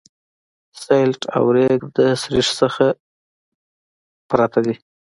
سلټ او ریګ د سریښ څخه پرته دي